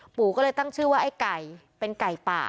อมปุก็เลยตั้งชื่อว่าไอ้กลัยเป็นก๋ายป่า